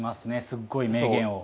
すごい名言を。